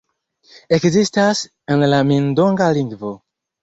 Ekzistas en la Min-donga lingvo.